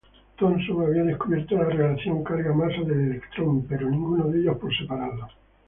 Thomson había descubierto la relación carga-masa del electrón, pero ninguno de ellos por separado.